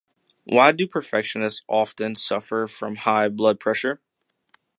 why do perfectionists often suffer from high blood pressure?